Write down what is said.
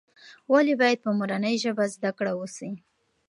ولې باید په مورنۍ ژبه زده کړه وسي؟